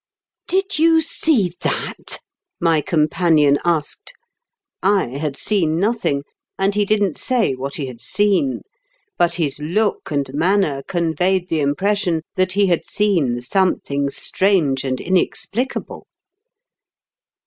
* Did you see that ?' my companion asked. I had seen nothing, and he didn't say what he had seen ; but his look and manner conveyed the impression that he had seen something strange , and inexplicable."